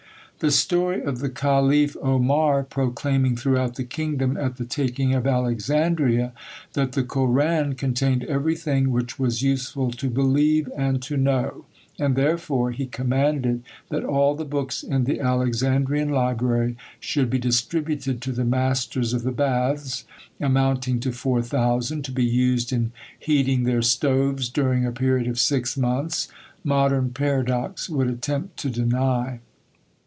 The story of the Caliph Omar proclaiming throughout the kingdom, at the taking of Alexandria, that the Koran contained everything which was useful to believe and to know, and therefore he commanded that all the books in the Alexandrian library should be distributed to the masters of the baths, amounting to 4000, to be used in heating their stoves during a period of six months, modern paradox would attempt to deny.